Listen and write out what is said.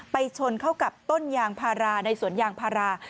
ไปชนเข้ากับต้นยางภาราในศูนย์ยางภารา